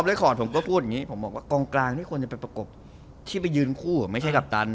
บอกที่ไปยืนคู่ไม่ใช่กัปตัน